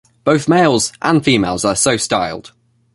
Both males and females are so styled.